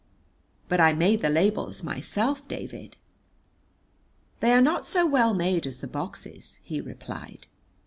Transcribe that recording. "But I made the labels myself, David." "They are not so well made as the boxes," he replied.